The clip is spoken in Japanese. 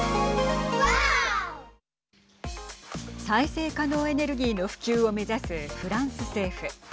再生可能エネルギーの普及を目指すフランス政府。